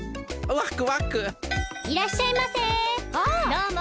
どうも！